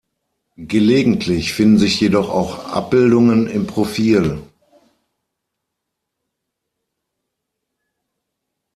Gelegentlich finden sich jedoch auch Abbildungen im Profil.